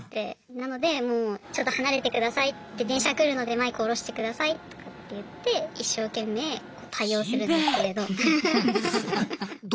なのでもうちょっと離れてくださいって電車来るのでマイク下ろしてくださいとかって言って一生懸命対応するんですけれど。